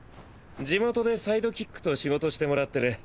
地元でサイドキックと仕事して貰ってる。